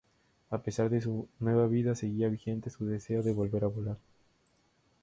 A pesar de su nueva vida, seguía vigente su deseo de volver a volar.